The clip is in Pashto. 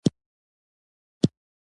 جمله د ګرامري اصولو له مخه جوړیږي.